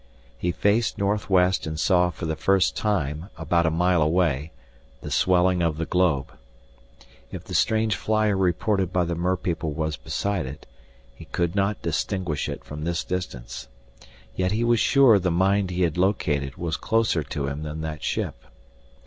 He faced northwest and saw for the first time, about a mile away, the swelling of the globe. If the strange flyer reported by the merpeople was beside it, he could not distinguish it from this distance. Yet he was sure the mind he had located was closer to him than that ship.